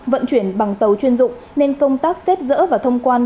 vận chuyển bằng tàu chuyên dụng nên công tác xếp dỡ và thông quan